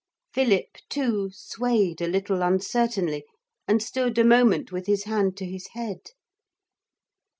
Philip too swayed a little uncertainly and stood a moment with his hand to his head.